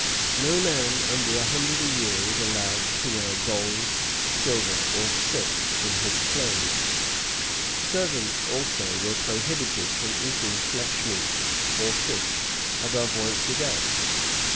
No man under a hundred a year was allowed to wear gold, silver, or silk in his clothes; servants, also, were prohibited from eating flesh meat, or fish, above once a day.